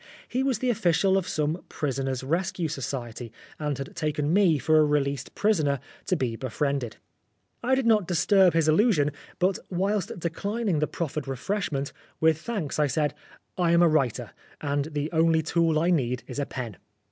He was the official of some Prisoners' Rescue Society, and had taken me for a released prisoner to be befriended. I did not disturb his illusion, but whilst declining the proffered refreshment, with thanks, I said, " I am a writer, and the only tool I need is a pen."